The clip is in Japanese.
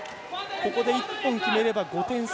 ここで１本決めれば５点差。